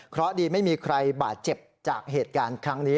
เพราะดีไม่มีใครบาดเจ็บจากเหตุการณ์ครั้งนี้